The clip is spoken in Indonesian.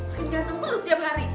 ganteng terus tiap hari